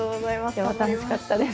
今日は楽しかったです。